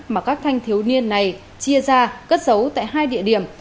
mà các thanh thiếu niên này chia ra cất giấu tại hai địa điểm